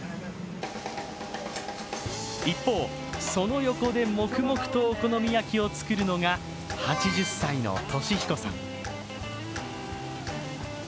一方、その横で黙々とお好み焼きを作るのが８０歳の敏彦さん。